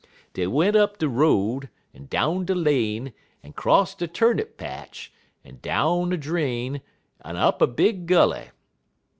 Dey went up de road, en down de lane, en 'cross de turnip patch, en down a dreen, en up a big gully.